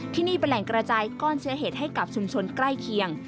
ที่นี่เป็นแหล่งกระจายก้อนเชื้อเหตุให้กับชุมชนใกล้เคียง